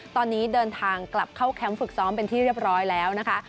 ตอนนี้เดินทางกลับเข้าแคมป์ฝึกซ้อมเป็นที่เรียบร้อยแล้วนะคะ